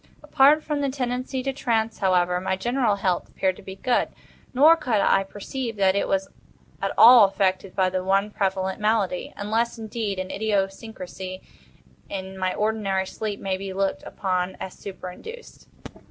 Apart from the tendency to trance, however, my general health appeared to be good; nor could I perceive that it was at all affected by the one prevalent malady—unless, indeed, an idiosyncrasy in my ordinary sleep may be looked upon as superinduced.